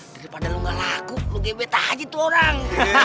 daripada lo gak laku lo gbt aja tuh orang